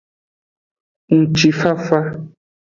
Ngutifafa.